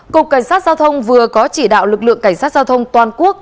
cục cảnh sát giao thông vừa có chỉ đạo lực lượng cảnh sát giao thông toàn quốc